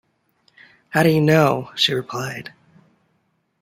“How do you know?” she replied.